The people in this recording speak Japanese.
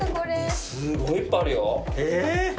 すごいいっぱいあるよ。えぇー？